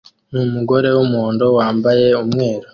numugore wumuhondo wambaye umweru